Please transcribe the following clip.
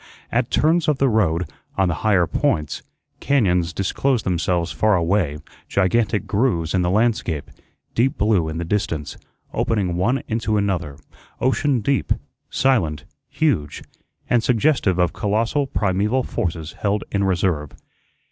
At turns of the road, on the higher points, cañóns disclosed themselves far away, gigantic grooves in the landscape, deep blue in the distance, opening one into another, ocean deep, silent, huge, and suggestive of colossal primeval forces held in reserve.